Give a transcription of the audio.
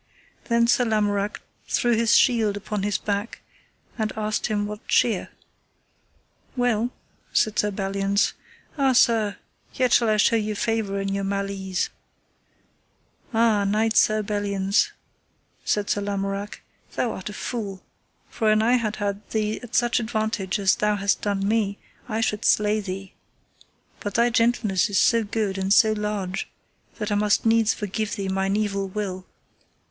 Then Sir Lamorak threw his shield upon his back, and asked him what cheer. Well, said Sir Belliance. Ah, Sir, yet shall I show you favour in your mal ease. Ah, Knight Sir Belliance, said Sir Lamorak, thou art a fool, for an I had had thee at such advantage as thou hast done me, I should slay thee; but thy gentleness is so good and so large, that I must needs forgive thee mine evil will.